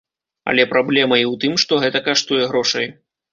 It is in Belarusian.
Але праблема і ў тым, што гэта каштуе грошай.